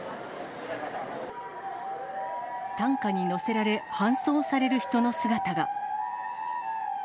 担架に乗せられ搬送される人の姿が。